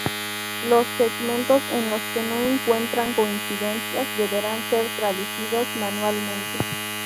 Los segmentos en los que no encuentran coincidencias deberán ser traducidos manualmente.